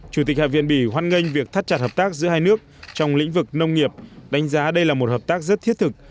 chủ tịch hạ viện bỉ hoan nghênh việc thắt chặt hợp tác giữa hai nước trong lĩnh vực nông nghiệp đánh giá đây là một hợp tác rất thiết thực